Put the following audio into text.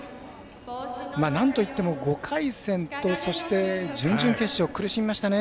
なんといっても５回戦と、そして準々決勝、苦しみましたね。